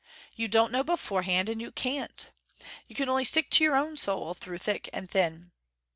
You don't know beforehand, and you can't. You can only stick to your own soul through thick and thin.